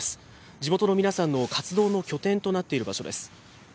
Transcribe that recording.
地元の皆さんの活動の拠点となっている場所です。